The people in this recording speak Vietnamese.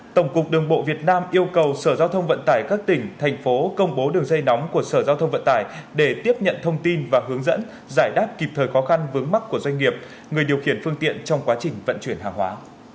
tổng cục đường bộ việt nam yêu cầu sở giao thông vận tải các tỉnh thành phố công bố đường dây nóng của sở giao thông vận tải để tiếp nhận thông tin và hướng dẫn giải đáp kịp thời khó khăn vướng mắt của doanh nghiệp người điều khiển phương tiện trong quá trình vận chuyển hàng hóa